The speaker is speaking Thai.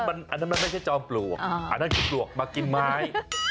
อันนั้นมันไม่ใช่จอมปลวกอันนั้นคือปลวกมากินไม้